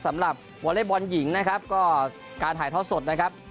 วอเล็กบอลหญิงนะครับก็การถ่ายทอดสดนะครับ